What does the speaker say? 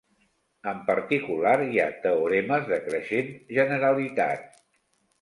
En particular, hi ha teoremes de creixent generalitat.